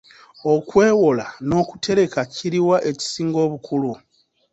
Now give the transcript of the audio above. Okwewola n'okutereka, kiri wa ekisinga obukulu?